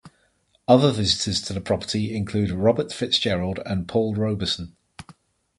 Other visitors to the property include Robert Fitzgerald and Paul Robeson.